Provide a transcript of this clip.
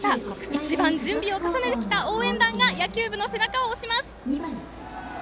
一番準備を重ねてきた応援団が野球部の背中を押します。